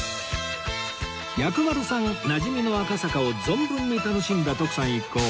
薬丸さんなじみの赤坂を存分に楽しんだ徳さん一行